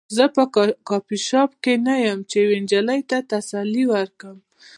زه په کافي شاپ کې نه یم چې یوې نجلۍ ته تسلي ورکړم